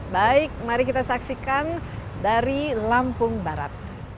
baik mari kita saksikan dari lampung barat